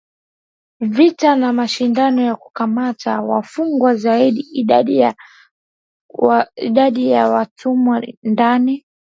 vita na mashindano ya kukamata wafungwa zaidi Idadi ya watumwa ndani